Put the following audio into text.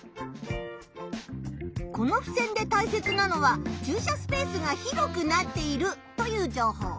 このふせんでたいせつなのは「駐車スペースが広くなっている」という情報。